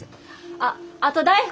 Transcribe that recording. あっあと大福も。